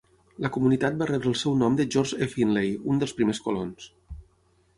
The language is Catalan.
La comunitat va rebre el seu nom de George E. Finley, un dels primers colons.